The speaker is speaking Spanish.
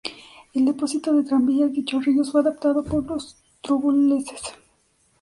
El depósito de tranvías de Chorrillos fue adaptado para los trolebuses.